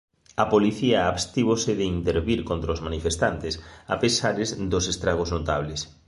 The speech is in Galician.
A policía abstívose de intervir contra os manifestantes a pesar dos estragos notables.